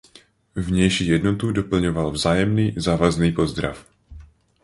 Vnější jednotu doplňoval vzájemný závazný pozdrav.